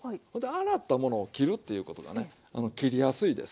洗ったものを切るっていうことがね切りやすいですから。